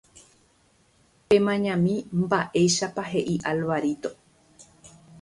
Pemañami mba'éichapa he'i Alvarito